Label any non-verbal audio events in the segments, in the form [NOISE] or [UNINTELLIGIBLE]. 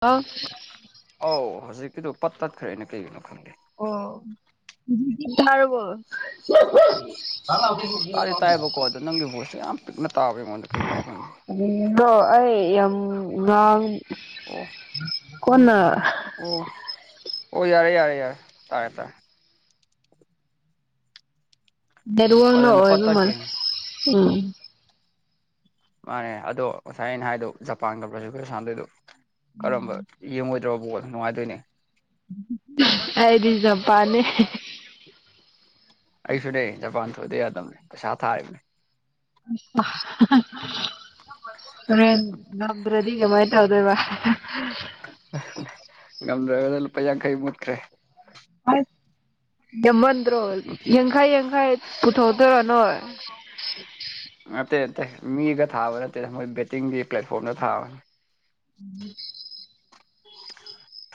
ꯑ ꯑꯧ ꯍꯧꯖꯤꯛ ꯀꯤꯗꯨ ꯄꯠ ꯇꯠꯈ꯭ꯔꯦꯅꯦ ꯀꯩꯒꯤꯅꯣ ꯈꯪꯗꯦ ꯑꯣ ꯇꯥꯔꯕꯣ ꯇꯥꯗꯤ ꯇꯥꯏꯑꯦꯕꯀꯣ ꯑꯗꯣ ꯅꯪꯒꯤ ꯕꯣꯏꯁꯦ ꯌꯥꯝ ꯄꯤꯛꯅ ꯇꯥꯕ ꯑꯩꯉꯣꯟꯗ ꯀꯩꯒꯤꯅꯣ ꯈꯪꯗꯦ ꯑꯗꯣ ꯑꯩ ꯌꯥꯝ ꯉꯥꯡ ꯑꯣ ꯀꯣꯟꯅ ꯑꯣ ꯑꯣ ꯌꯥꯔꯦ ꯌꯥꯔꯦ ꯌꯥꯔꯦ ꯇꯥꯔꯦ ꯇꯥꯔꯦ ꯅꯦꯠꯋꯥꯔꯛꯅ ꯑꯗꯨꯅꯦ ꯄꯠ ꯑꯣꯏꯕ ꯇꯠꯈꯤꯝꯅꯦ ꯎꯝ ꯃꯥꯅꯦ ꯑꯗꯣ ꯉꯁꯥꯏ ꯑꯩꯅ ꯍꯥꯏꯗꯣ ꯖꯄꯥꯟꯒ ꯕꯔ꯭ꯥꯖꯤꯜꯒ ꯁꯥꯟꯅꯗꯣꯏꯗꯣ ꯀꯔꯝꯕ ꯌꯦꯡꯉꯣꯏ ꯗ꯭ꯔꯣꯕꯣꯜ ꯅꯨꯡꯉꯥꯏꯗꯣꯏꯅꯦ ꯑꯩꯗꯤ ꯖꯄꯥꯟꯅꯦ ꯑꯩꯁꯨ ꯅꯦ ꯖꯄꯥꯟ ꯊꯣꯏꯗ ꯌꯥꯗꯕꯅꯤ ꯄꯩꯁꯥ ꯊꯥꯔꯤꯅꯤ ꯍꯣꯔꯦꯟ ꯉꯝꯗ꯭ꯔꯗꯤ ꯀꯃꯥꯏꯇꯧ ꯇꯧꯗꯣꯏꯕ ꯉꯝꯗ꯭ꯔꯗ ꯂꯨꯄꯥ ꯌꯥꯡꯈꯩ ꯃꯨꯠꯇꯈꯔꯦ ꯑꯁ ꯌꯥꯝꯃꯟꯗ꯭ꯔꯣ ꯌꯥꯡꯈꯩ ꯌꯥꯡꯈꯩꯏ ꯄꯨꯊꯣꯛꯇꯣꯢꯔꯣ ꯅꯣꯏ [UNINTELLIGIBLE] ꯑꯇꯩ ꯑꯇꯩ ꯃꯤꯒ ꯊꯥꯕ ꯅꯠꯇꯦ ꯃꯣꯏ ꯕꯦꯠꯇꯤꯡꯒꯤ ꯄ꯭ꯂꯦꯠꯐꯣꯝꯗ ꯊꯥꯕꯅꯤ [UNINTELLIGIBLE]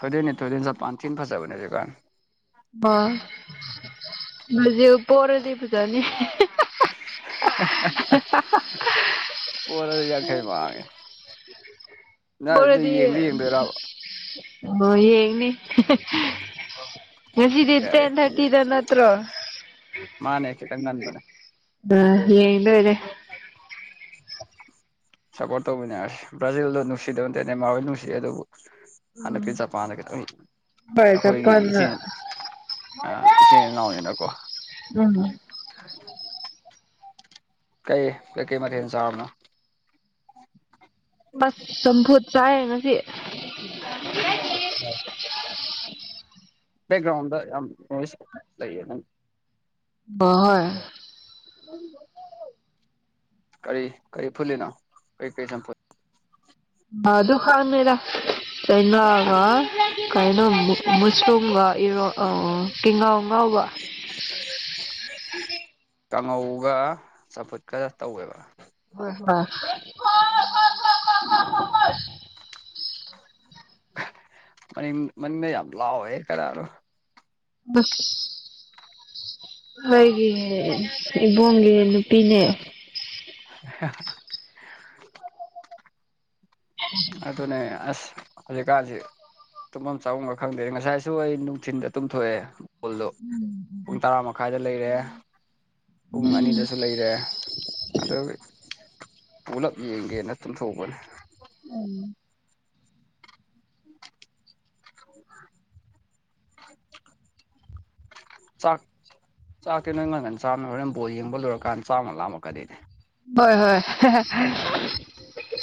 ꯊꯣꯏꯗꯣꯏꯅꯤ ꯊꯣꯏꯗꯣꯏꯅꯤ ꯖꯄꯥꯟ ꯊꯤꯅ ꯐꯖꯕꯅꯦ ꯍꯧꯖꯤꯛꯀꯥꯟ ꯍꯧꯖꯤꯛꯄꯣꯔꯗꯤ ꯐꯖꯅꯤ ꯍꯍꯍ ꯄꯣꯔꯗꯤ ꯌꯥꯈꯩ ꯃꯥꯡꯉꯦ ꯅꯪ ꯑꯗꯨ ꯄꯣꯔꯗꯤ ꯌꯦꯡꯗꯤ ꯌꯦꯡꯗꯣꯏꯔꯕ ꯑꯣ ꯌꯦꯡꯅꯤ ꯉꯁꯤꯗꯤ ꯇꯦꯟ ꯌꯥꯏꯌꯦ ꯊꯥꯔꯇꯤꯗ ꯅꯠꯇ꯭ꯔꯣ ꯃꯥꯅꯦ ꯈꯤꯇꯪ ꯉꯟꯕꯅꯦ ꯑꯥꯌꯦꯡꯗꯣꯏꯅꯦ ꯁꯞꯄꯣꯔꯠ ꯇꯧꯃꯤꯟꯅꯔꯁꯦ ꯕ꯭ꯔꯥꯖꯤꯜꯗꯣ ꯅꯨꯡꯁꯤꯗꯕ ꯅꯠꯇꯦ ꯅꯦꯃꯥꯔ ꯍꯣꯏ ꯅꯨꯡꯁꯤ ꯑꯗꯨꯕꯨ ꯎꯝ ꯍꯟꯗꯛꯀꯤ ꯖꯄꯥꯟꯗ ꯈꯤꯇꯪ ꯍꯣꯏ ꯑꯩꯈꯣꯏꯒꯤ ꯏꯆꯦ ꯆꯄꯜꯅ ꯑꯥ ꯏꯆꯤꯟ ꯏꯅꯥꯎꯅꯤꯅꯀꯣ ꯎꯝ ꯀꯩ ꯀꯩ ꯀꯩ ꯃꯊꯦꯜ ꯆꯥꯔꯕꯅꯣ ꯃ꯭ꯁ ꯆꯝꯐꯨꯠ ꯆꯥꯏꯌꯦ ꯉꯁꯤ ꯕꯦꯛꯒ꯭ꯔꯥꯎꯟꯗ ꯌꯥꯝ ꯅ꯭ꯣꯏꯁ ꯂꯩꯌꯦ ꯅꯪ ꯍꯣꯏ ꯀꯔꯤ ꯀꯔꯤ ꯐꯨꯂꯤꯅꯣ ꯀꯩ ꯀꯩ ꯆꯝꯐꯨꯠ ꯑ ꯥꯑꯗꯨ ꯈꯥꯠꯅꯦꯗ ꯀꯩꯅꯣꯒ ꯀꯩꯅꯣ ꯃꯨꯁꯂꯨꯝꯒ ꯏꯔꯣ ꯑꯥ ꯀꯤꯉꯧ ꯋꯥꯎꯕ ꯀꯥꯡꯉꯧꯒ ꯆꯝꯐꯨꯠꯀ ꯇꯧꯋꯦꯕ ꯍꯣꯏ ꯍꯣꯏ [UNINTELLIGIBLE] ꯃꯅꯤꯡꯗ ꯌꯥꯝ ꯂꯥꯎꯌꯦ ꯀꯥꯅꯅꯣ [UNINTELLIGIBLE] ꯑꯩꯒꯤ ꯏꯕꯣꯡꯒꯤ ꯅꯨꯄꯤꯅꯦ ꯍꯍꯍ ꯑꯗꯨꯅꯦ ꯑꯁ ꯍꯧꯖꯤꯛꯀꯥꯟꯁꯤ ꯇꯨꯝꯕꯝ ꯆꯥꯕꯝꯒ ꯈꯪꯗꯦ ꯉꯁꯥꯏꯁꯨ ꯑꯩ ꯅꯨꯡꯊꯤꯟꯗ ꯇꯨꯝꯊꯣꯛꯑꯦ ꯕꯣꯜꯗꯨ ꯄꯨꯡ ꯇꯔꯥ ꯃꯈꯥꯏꯗ ꯂꯩꯔꯦ ꯄꯨꯡ ꯑꯅꯤꯗꯁꯨ ꯂꯩꯔꯦ ꯑꯗꯨ ꯄꯨꯂꯞ ꯌꯦꯡꯒꯦꯅ ꯇꯨꯝꯊꯣꯛꯄꯅꯤ [INAUDIBLE] [UNINTELLIGIBLE] ꯆꯥꯛ ꯆꯥꯛꯇꯤ ꯅꯪ ꯉꯟ ꯉꯟꯅ ꯆꯥꯕꯅꯤꯅ ꯥ ꯍꯣꯔꯦꯟ ꯕꯣꯜ ꯌꯦꯡꯕ ꯂꯣꯏꯔꯀꯥꯟꯗ ꯆꯥꯛ ꯑꯃꯨꯛ ꯂꯥꯝꯃꯛꯀꯅꯤ ꯍꯣꯏ ꯍꯣꯏ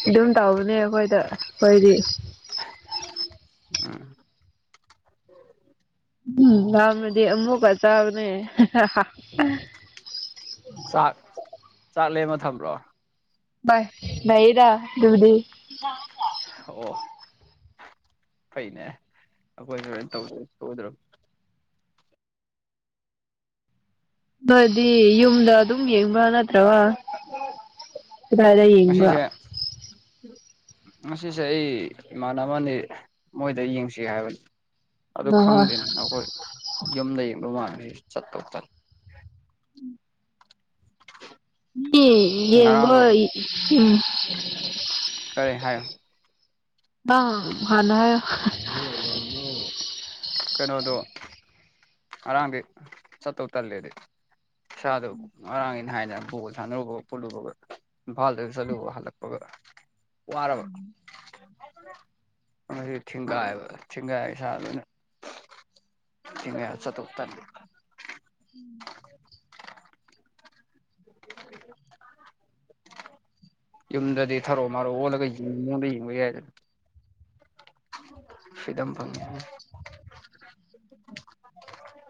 ꯑꯗꯨꯝ ꯇꯧꯕꯅꯦ ꯑꯩꯈꯣꯏꯗ ꯑꯩꯈꯣꯏꯗꯤ [UNINTELLIGIBLE] ꯎꯝ ꯂꯥꯝꯔꯗꯤ ꯑꯃꯨꯛꯀ ꯆꯥꯕꯅꯦ ꯆꯥꯛ ꯆꯥꯛꯂꯦꯝꯃ ꯊꯝꯕ꯭ꯔꯣ ꯚꯥꯏ ꯂꯩꯌꯦꯗ ꯑꯗꯨꯕꯨꯗꯤ ꯑꯣ ꯐꯩꯅꯦ ꯑꯩꯈꯣꯏꯍꯣꯔꯦꯟꯇꯧꯗꯧ ꯁꯣꯏꯗ꯭ꯔꯕꯅꯦ ꯅꯣꯏꯗꯤ ꯌꯨꯝꯗ ꯑꯗꯨꯝ ꯌꯦꯡꯕ꯭ꯔꯥ ꯅꯠꯇ꯭ꯔꯒ ꯀꯗꯥꯏꯗ ꯌꯦꯡꯕ ꯉꯁꯤꯖꯦ ꯑꯩ ꯏꯃꯥꯟꯅꯕꯅꯤ ꯃꯣꯏꯗ ꯌꯦꯡꯁꯤ ꯍꯥꯏꯕꯅꯤ ꯑꯗꯨ ꯍꯣꯏ ꯍꯣꯏ ꯈꯪꯗꯦꯅꯦ ꯑꯈꯣꯏ ꯌꯨꯝꯗ ꯌꯦꯡꯗꯧ ꯃꯥꯜꯂꯦ ꯑꯩ ꯆꯠꯇꯧꯇꯟ ꯗꯤ ꯌꯦꯡꯕ ꯉꯔꯥꯡꯗꯣ ꯎꯝ ꯀꯔꯤ ꯍꯥꯏꯌꯣ ꯅꯪ ꯍꯥꯟꯅ ꯍꯥꯏꯌꯣ ꯀꯩꯅꯣꯗꯣ ꯉꯔꯥꯡꯗꯤ ꯆꯠꯇꯧ ꯇꯜꯂꯦꯗꯤ ꯏꯁꯥꯗꯣ ꯉꯔꯥꯡ ꯑꯩꯅ ꯍꯥꯏꯅ ꯕꯣꯜ ꯁꯥꯟꯅꯔꯨꯕꯒ ꯈꯣꯠꯂꯨꯕꯒ ꯏꯝꯐꯥꯜꯗ ꯆꯠꯂꯨꯕꯒ ꯍꯜꯂꯛꯄꯒ ꯋꯥꯔꯕ ꯉꯁꯤ ꯊꯤꯡꯒꯥꯏꯕ ꯊꯤꯡꯒꯥꯏ ꯏꯁꯥ ꯂꯣꯏꯅ ꯊꯡꯉꯦ ꯆꯠꯇꯧ ꯇꯟꯕ [INAUDIBLE] ꯌꯨꯝꯗꯗꯤ ꯊꯔꯣ ꯃꯥꯔꯣ ꯑꯣꯜꯂꯒ ꯌꯦꯡꯅꯤꯡꯉꯤꯗꯣ ꯌꯦꯡꯕ ꯌꯥꯏꯗꯅ ꯐ꯭ꯔꯤꯗꯝ ꯐꯪꯉꯦ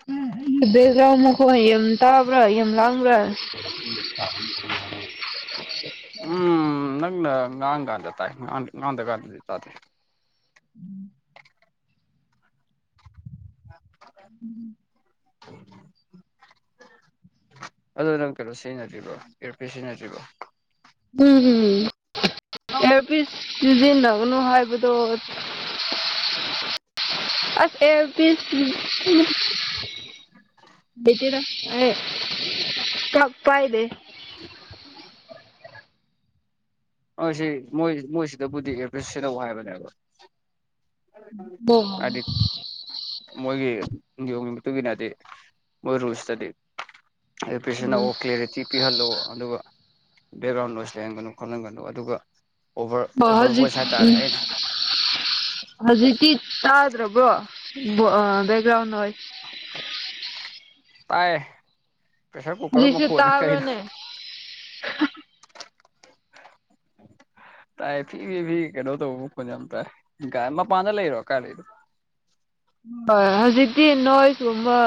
ꯍꯨꯝ ꯎꯝ ꯕꯦꯖꯥꯔ ꯃꯈꯣꯟ ꯌꯥꯝ ꯇꯥꯕꯔꯥ ꯌꯥꯝ ꯂꯥꯡꯕꯔꯥ ꯎꯝ ꯅꯪꯅ ꯉꯥꯡꯉ ꯀꯥꯟꯗ ꯇꯥꯏ ꯉꯥꯡꯗ꯭ꯔ ꯀꯥꯟꯗꯗꯤ ꯇꯥꯗꯦ ꯎꯝ [INAUDIBLE] ꯎꯝ ꯑꯗꯣ ꯅꯪ ꯀꯩꯅꯣ ꯁꯤꯖꯤꯟꯅꯗ꯭ꯔꯤꯕꯣ ꯏꯌꯔꯄꯤꯁ ꯁꯤꯖꯤꯟꯅꯗ꯭ꯔꯤꯕꯣ ꯎꯝꯎꯝ ꯏꯌꯔꯄꯤꯁ ꯁꯤꯖꯤꯟꯅꯒꯅꯨ ꯍꯥꯏꯕꯗꯣ ꯑꯁ ꯑꯦꯌꯔꯄꯤꯁ ꯂꯩꯇꯦꯗ ꯑꯩ ꯀꯥꯞ ꯄꯥꯏꯗꯦ [INAUDIBLE] ꯑꯥ ꯁꯤ ꯃꯣꯏ ꯃꯣꯏꯁꯤꯗꯕꯨꯗꯤ ꯑꯦꯔꯄꯤꯁ ꯁꯤꯖꯤꯟꯅꯧ ꯍꯥꯏꯕꯅꯦꯕ ꯑꯗꯤ ꯑꯣ ꯃꯣꯏꯒꯤ ꯅꯤꯌꯣꯝ ꯒꯤ ꯃꯇꯨꯡꯏꯟꯅꯗꯤ ꯃꯣꯏ ꯔꯨꯜꯁꯇꯗꯤ ꯑꯗꯨ ꯏꯌꯔꯄꯤꯁ ꯁꯤꯖꯟꯅꯧꯑꯣ ꯀ꯭ꯂꯦꯔꯤꯇꯤ ꯄꯤꯍꯜꯂꯣ ꯑꯗꯨꯒ ꯕꯦꯛꯒ꯭ꯔꯥꯎꯟ ꯅꯣꯏꯁ ꯂꯩꯍꯟꯒꯅꯨ ꯈꯣꯠꯍꯟꯒꯅꯨ ꯑꯗꯨꯒ ꯑꯣꯚ꯭ꯔ ꯑꯣꯚ꯭ꯔ ꯍꯧꯖꯤꯛ ꯚꯣꯏꯁ ꯍꯥꯏꯇꯥꯔꯦ ꯎꯝ ꯑꯩꯅ ꯍꯧꯖꯤꯛꯇꯤ ꯇꯥꯗ꯭ꯔꯕ꯭ꯔꯣ ꯕꯦ ꯕꯦꯑꯕꯦꯛꯒ꯭ꯔꯥꯎꯟ ꯑꯣꯏ ꯇꯥꯏ ꯄꯦꯁ꯭ꯔ ꯀꯨꯀ꯭ꯔ ꯍꯧꯖꯤꯛꯁꯨ ꯃꯈꯣꯜꯅ ꯀꯩꯅꯣ ꯇꯥꯕ꯭ꯔꯥꯅꯦ ꯇꯥꯏ ꯐꯤ ꯐꯤ ꯀꯩꯅꯣ ꯇꯧꯕ ꯃꯈꯣꯟ ꯌꯥꯝ ꯇꯥꯏ ꯃꯄꯥꯟꯗ ꯂꯩꯔꯣ ꯀꯥꯏ ꯂꯩꯅꯣ ꯕꯥ ꯍꯧꯖꯤꯛꯇꯤ ꯅꯣꯏꯁꯀꯨꯝꯕ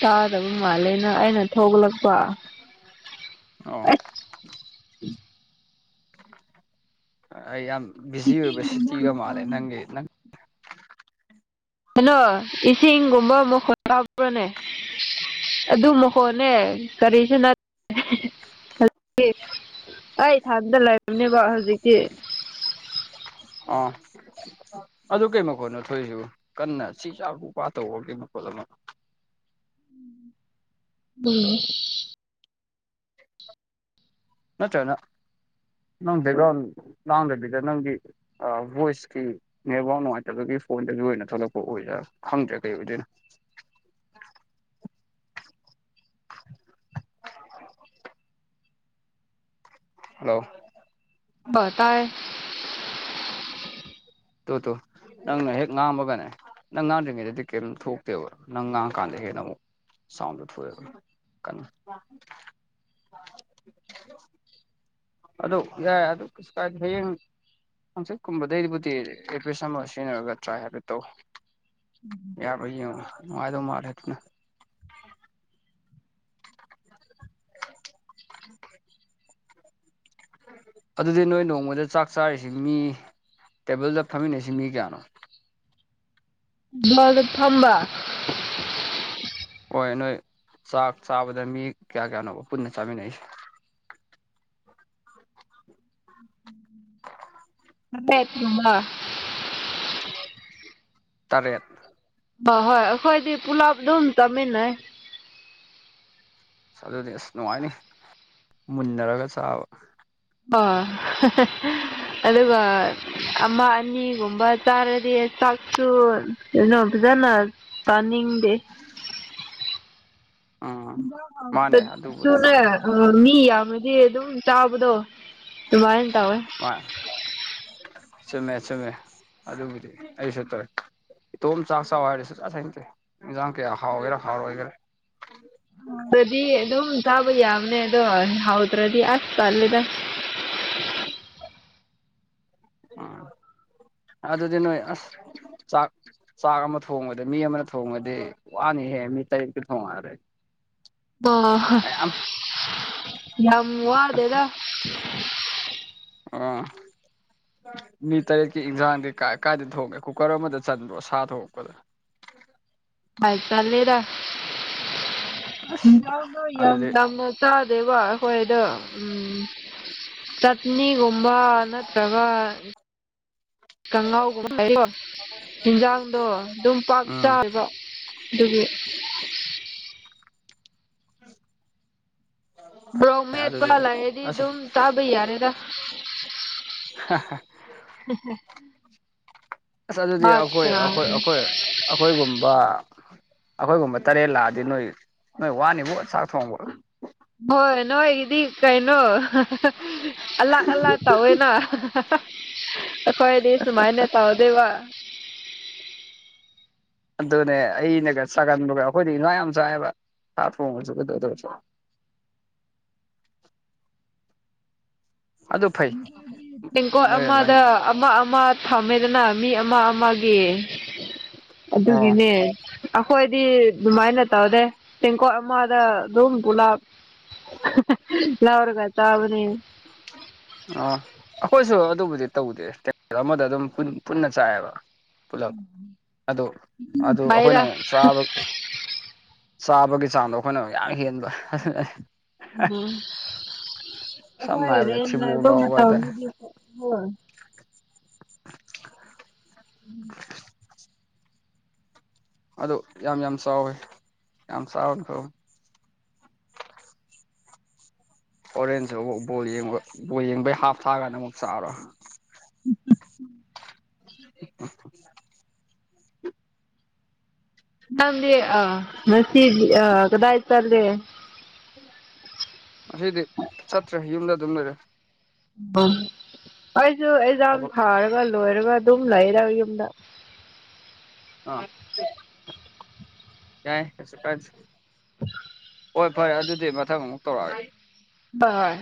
ꯇꯥꯗꯕ ꯃꯥꯜꯂꯦꯅ ꯑꯩꯅ ꯊꯣꯛꯂꯛꯄ ꯑꯣ ꯑꯁ ꯑꯩ ꯌꯥꯝ ꯕꯤꯖꯤ ꯑꯣꯏꯕ ꯁꯤꯇꯤꯒ ꯃꯥꯜꯂꯦ ꯅꯪꯒꯤ ꯅꯪ ꯍꯜꯂꯣ ꯏꯁꯤꯡꯒꯨꯝꯕ ꯃꯈꯣꯟ ꯇꯥꯕ꯭ꯔꯣꯅꯦ ꯑꯗꯨ ꯃꯈꯣꯅꯦ ꯀꯔꯤꯁꯨ ꯅꯠꯇꯦ ꯍꯦ ꯍꯦ ꯍꯦ ꯑꯩ ꯊꯥꯟꯗ ꯂꯩꯝꯅꯦꯕ ꯍꯧꯖꯤꯛꯇꯤ ꯑꯥ ꯑꯗꯨ ꯀꯩ ꯃꯈꯣꯠꯅꯣ ꯊꯣꯏꯁꯨ ꯀꯟꯅ ꯁꯤ ꯆꯥ ꯄꯨ ꯄꯥ ꯇꯧꯕ ꯀꯩ ꯃꯈꯣꯜ [UNINTELLIGIBLE] [INAUDIBLE] [UNINTELLIGIBLE] ꯅꯠꯇꯅ ꯅꯪ ꯕꯦꯛꯒ꯭ꯔꯥꯎꯟ ꯂꯥꯡꯗꯕꯤꯗ ꯅꯪꯒꯤ ꯚꯣꯏꯁꯀꯤ ꯅꯦꯠꯋꯥꯛ ꯅꯨꯡꯉꯥꯏꯇꯕꯒꯤ ꯐꯣꯟꯗꯁꯨ ꯑꯣꯏꯅ ꯊꯣꯛꯂꯛꯄ ꯑꯣꯏꯗꯥ ꯈꯪꯗ꯭ꯔꯦ ꯀꯩ ꯑꯣꯏꯗꯣꯏꯅꯣ [INAUDIBLE] ꯍꯜꯂꯣ ꯇꯥꯏ ꯇꯣ ꯇꯣ ꯅꯪꯅ ꯍꯦꯛ ꯉꯥꯡꯝꯃꯒꯅꯦ ꯅꯪ ꯉꯥꯡꯝꯗ꯭ꯔꯤꯉꯩꯗꯗꯤ ꯀꯔꯤꯝ ꯊꯣꯛꯇꯦꯕ ꯅꯪ ꯉꯥꯡꯉ ꯀꯥꯟꯗ ꯍꯦꯟꯅ ꯑꯃꯨꯛ ꯁꯥꯎꯟꯗꯣ ꯊꯣꯛ ꯑꯦ ꯀꯟꯅ ꯑꯗꯨ ꯌꯥꯏ ꯑꯗꯨ ꯀꯩꯁꯨ ꯀꯥꯏꯗꯦ ꯍꯌꯦꯡ ꯍꯪꯆꯤꯠꯀꯨꯝꯕꯗꯩꯕꯨꯗꯤ ꯑꯦꯗ꯭ꯔꯦꯁ ꯑꯃ ꯁꯤꯖꯤꯟꯅꯔꯒ ꯇ꯭ꯔꯥꯏ ꯍꯥꯏꯐꯦꯠꯇꯧ ꯌꯥꯕꯔ ꯌꯦꯡꯉꯣ ꯅꯨꯡꯉꯥꯏꯗꯧ ꯃꯥꯜꯂꯦ ꯑꯗꯨꯅ [INAUDIBLE] ꯑꯗꯨꯗꯤ ꯅꯣꯏ ꯅꯣꯡꯃꯗ ꯆꯥꯛ ꯆꯥꯔꯤꯁꯤ ꯃꯤ ꯇꯦꯕꯜꯗ ꯐꯝꯃꯤꯟꯅꯩꯁꯤ ꯃꯤ ꯀꯦꯌꯥꯅꯣ ꯇꯦꯕꯜꯗ ꯐꯝꯕ ꯍꯣꯏ ꯅꯣꯏ ꯆꯥꯛ ꯆꯥꯕꯗ ꯃꯤ ꯀꯌꯥ ꯀꯌꯥꯅꯣ ꯄꯨꯟꯅ ꯆꯥꯃꯤꯟꯅꯩꯁꯦ ꯇꯔꯦꯠ ꯀꯨꯝꯕ [UNINTELLIGIBLE] ꯇꯔꯦꯠ ꯍ ꯍꯣꯏ ꯑꯩꯈꯣꯏꯗꯤ ꯄꯨꯂꯥꯞ ꯑꯗꯨꯝ ꯆꯥꯃꯤꯟꯅꯩ ꯑꯗꯨꯗꯤ ꯑꯁ ꯅꯨꯡꯉꯥꯏꯅꯤ ꯃꯨꯟꯅꯔꯒ ꯆꯥꯕ ꯑꯣ ꯑꯗꯨꯒ ꯑꯃ ꯑꯅꯤꯒꯨꯝꯕ ꯆꯥꯔꯗꯤ ꯆꯥꯛꯁꯨ ꯀꯩꯅꯣ ꯐꯖꯅ ꯆꯥꯅꯤꯡꯗꯦ [INAUDIBLE] ꯎꯝ ꯨꯍꯦꯟꯖꯥꯡ ꯃꯥꯅꯦ ꯍꯥꯎꯇꯔ꯭ ꯑꯗꯨꯕꯨꯗꯤ ꯁꯨꯅꯦ ꯃꯤ ꯌꯥꯝꯃꯗꯤ ꯑꯗꯨꯝ ꯆꯥꯕꯗꯣ ꯇꯨꯃꯥꯏ ꯇꯧꯋꯦ ꯃꯥ ꯆꯨꯝꯃꯦ ꯆꯨꯝꯃꯦ ꯑꯗꯨꯕꯨꯗꯤ ꯑꯩꯁꯨ ꯇꯧꯋꯦ ꯏꯇꯣꯝ ꯆꯥꯛ ꯆꯥꯎ ꯍꯥꯏꯔꯦꯁꯨ ꯆꯥꯛ ꯁꯨꯡꯆꯥ ꯆꯥꯅꯤꯡꯗꯦ ꯏꯟꯖꯥꯡ ꯀꯌꯥ ꯍꯥꯥꯎꯒꯦꯔꯥ ꯍꯥꯎꯔꯒꯦꯔꯥ ꯑꯗꯨꯗꯤ ꯑꯗꯨꯝ ꯆꯕ ꯌꯥꯕꯅꯦ ꯑꯗꯣ ꯍꯥꯎꯗ꯭ꯔꯗꯤ ꯑꯁ ꯇꯜꯂꯦꯗ ꯑ ꯑꯗꯨꯗꯤꯅꯣ ꯑꯁ ꯆꯥꯛ ꯆꯥꯛ ꯑꯃ ꯊꯣꯡꯕꯗ ꯃꯤ ꯑꯃꯅ ꯊꯣꯡꯉꯗꯤ ꯋꯥꯅꯤꯍꯦꯛ ꯃꯤ ꯇꯔꯦꯠꯀꯤ ꯊꯣꯡꯉꯔꯦ ꯑ ꯌꯥꯝ ꯋꯥꯗꯦꯗ [INAUDIBLE] ꯑ ꯃꯤ ꯇꯔꯦꯠꯀꯤ ꯏꯟꯁꯥꯡꯗꯤ ꯀ ꯀꯥꯏꯗ ꯊꯣꯡꯉꯦ ꯀꯨꯀꯔ ꯑꯃꯗ ꯆꯟꯕ꯭ꯔꯣ ꯁꯥ ꯊꯣꯡꯉꯛꯄꯗ ꯥꯑꯥꯏ ꯆꯜꯂꯦꯗ ꯑꯁ ꯌꯥꯝꯅ ꯌꯥꯝ ꯑꯗꯨꯗꯤ ꯌꯥꯝꯅ ꯆꯥꯗꯦꯕ ꯑꯩꯈꯣꯏꯗꯣ ꯎꯝ ꯆꯠꯅꯤꯒꯨꯝꯕ ꯅꯠꯇ꯭ꯔꯒ ꯀꯥꯡꯉꯥꯎꯒꯨꯝꯕ ꯍꯥꯏ ꯌꯤꯟꯖꯥꯡꯗꯣ ꯑꯗꯨꯝ ꯄꯥꯛ ꯎꯝ ꯆꯥꯗꯦꯕ ꯑꯗꯨꯒꯤ ꯃꯔꯣꯛ ꯑꯗꯨꯗꯤ ꯃꯦꯠꯄꯥ ꯂꯩꯔꯗꯤ ꯑꯁ ꯑꯗꯨꯝ ꯆꯥꯕ ꯌꯥꯔꯦꯗ ꯍꯦꯍꯦ ꯑꯁ ꯑꯗꯨꯗꯤ ꯑꯈꯣꯏ ꯑꯈꯣꯏ ꯑꯈꯣꯏ ꯑꯈꯣꯏꯒꯨꯝꯕ ꯑꯈꯣꯏꯒꯨꯝꯕ ꯇꯔꯦꯠ ꯂꯥꯛꯑꯗꯤ ꯅꯣꯏ ꯅꯣꯏ ꯋꯥꯅꯤꯕꯨ ꯆꯥꯛ ꯊꯣꯡꯕ ꯍꯣꯏ ꯅꯣꯏꯒꯤꯗꯤ ꯀꯩꯅꯣ ꯑꯂꯛ ꯑꯂꯛ ꯇꯧꯋꯦꯅ ꯍꯥ ꯍꯥ ꯑꯈꯣꯏꯗꯤ ꯁꯨꯃꯥꯏꯅ ꯇꯧꯗꯦꯕ ꯑꯗꯨꯅꯦ ꯑꯩꯅꯒ ꯆꯒꯟꯕꯒ ꯑꯈꯣꯏꯗꯤ ꯉꯥ ꯌꯥꯝ ꯆꯥꯏꯌꯦꯕ ꯉꯥ ꯊꯣꯡꯕꯁꯨ ꯀꯩꯗꯧꯗꯔ꯭ ꯁꯨ ꯑꯗꯨ ꯐꯩ ꯇꯦꯡꯒꯣꯠ ꯅꯣꯏ ꯑꯗꯨꯃꯥꯏꯅ ꯑꯃꯗ ꯑꯃ ꯑꯃ ꯐꯝꯃꯦꯗꯅ ꯃꯤ ꯑꯃ ꯑꯃꯒꯤ ꯑꯣ ꯑꯗꯨꯒꯤꯅꯦ ꯑꯈꯣꯏꯗꯤ ꯑꯗꯨꯃꯥꯏꯅ ꯇꯧꯗꯦ ꯇꯦꯡꯀꯣꯠ ꯑꯃꯗ ꯑꯗꯨꯝ ꯄꯨꯂꯞ ꯂꯧꯔꯒ ꯆꯥꯕꯅꯤ ꯑꯥ ꯑꯈꯣꯏꯁꯨ ꯑꯗꯨꯕꯨꯗꯤ ꯇꯧꯗꯦ ꯇꯦꯡꯀꯣꯠ ꯑꯃꯗ ꯑꯗꯨꯝ ꯄꯨꯟꯅ ꯆꯥꯏꯑꯦꯕ ꯄꯨꯂꯞ ꯑꯗꯨ ꯑꯗꯨ ꯑꯈꯣꯏꯅ ꯐꯩꯗ ꯑꯃꯨꯛ ꯆꯥꯕ ꯆꯥꯕꯒꯤ ꯆꯥꯡꯗꯣ ꯑꯈꯣꯏꯅ ꯌꯥꯝ ꯍꯦꯟꯕ ꯁꯝꯅ ꯍꯥꯏꯔꯕꯗ ꯊꯤꯕꯣꯡ ꯂꯥꯎꯕ ꯍꯥꯏꯇꯥꯔꯦ [UNINTELLIGIBLE] [INAUDIBLE] ꯎꯝ ꯑꯗꯨ ꯌꯥꯝ ꯌꯥꯝ ꯆꯥꯎꯋꯦ ꯌꯥꯝ ꯆꯥꯕꯅ ꯐꯕꯅꯤ ꯍꯣꯔꯦꯟꯖꯨ ꯑꯃꯨꯛ ꯕꯣꯜ ꯌꯦꯡꯕ ꯕꯣꯜ ꯌꯦꯡꯕꯩ ꯍꯥꯞ ꯊꯥ ꯀꯥꯟꯗ ꯑꯃꯨꯛ ꯆꯥꯔꯣ [UNINTELLIGIBLE] ꯅꯪꯗꯤ ꯑꯥ ꯉꯁꯤ ꯑ ꯀꯗꯥ ꯆꯠꯂꯦ ꯉꯁꯤꯗꯤ ꯆꯠꯇ꯭ꯔꯦ ꯌꯨꯝꯗ ꯑꯗꯨꯝ ꯂꯩꯔꯦ ꯑꯩꯁꯨ ꯑꯦꯛꯖꯥꯝ ꯊꯕꯛ ꯊꯥꯔꯒ ꯂꯣꯏꯔꯒ ꯑꯗꯨꯝ ꯂꯩꯔꯦ ꯌꯨꯝꯗ ꯑꯥ ꯌꯥꯏ ꯀꯩꯁꯨ ꯀꯥꯏꯗꯦ [INAUDIBLE] ꯍꯣꯏ ꯐꯔꯦ ꯑꯗꯨꯗꯤ ꯃꯊꯪ ꯑꯃꯨꯛ ꯇꯧꯔꯛꯑꯒꯦ ꯕꯥꯏ